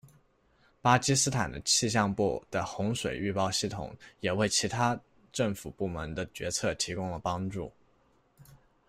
巴基斯坦气象部的洪水预报系统也为其他政府部门的决策提供了帮助。